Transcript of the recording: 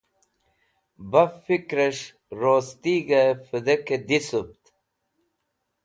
Baf fikrẽs̃h rostigẽh vẽdekẽ dhisũvd